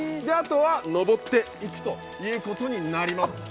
あとは登っていくということになります。